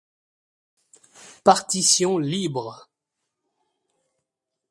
Partition libre.